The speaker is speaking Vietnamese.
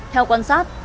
theo quan sát